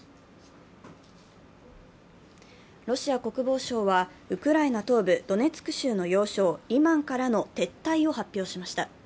ロシア国防省はウクライナ東部ドネツク州の要衝、リマンからの撤退を発表しました。